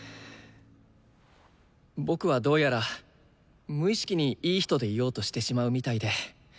僕はどうやら無意識に「いい人」でいようとしてしまうみたいで。